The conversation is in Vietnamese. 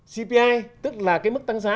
cpi tức là cái mức tăng giá